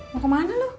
mau kemana lu